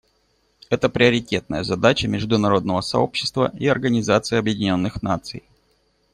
Это приоритетная задача международного сообщества и Организации Объединенных Наций.